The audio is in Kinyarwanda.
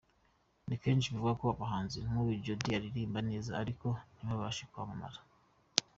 Ni kenshi bivugwa ko abahanzi nk’uyu Jody baririmba neza, ariko ntibabashe kwamamara.